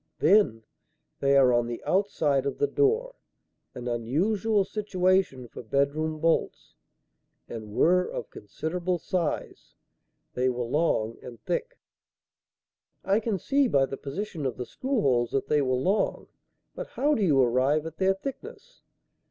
"Then, they are on the outside of the door an unusual situation for bedroom bolts and were of considerable size. They were long and thick." "I can see, by the position of the screw holes, that they were long; but how do you arrive at their thickness?"